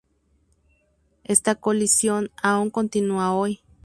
Esta colisión aún continúa hoy.